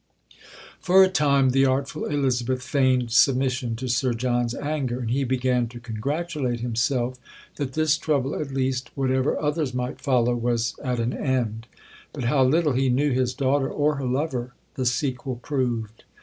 For a time the artful Elizabeth feigned submission to Sir John's anger; and he began to congratulate himself that this trouble at least, whatever others might follow, was at an end. But how little he knew his daughter, or her lover, the sequel proved.